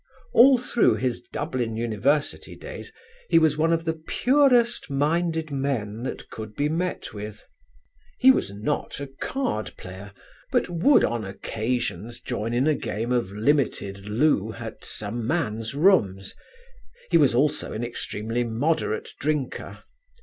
All through his Dublin University days he was one of the purest minded men that could be met with. "He was not a card player, but would on occasions join in a game of limited loo at some man's rooms. He was also an extremely moderate drinker.